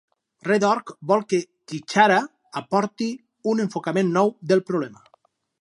Red Orc vol que Kickaha aporti un enfocament nou del problema.